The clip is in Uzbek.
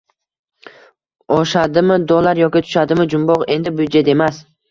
Oshadimi dollar yoki tushadimi jumboq, Endi byudjet emas